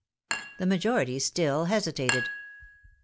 The majority still hesitated.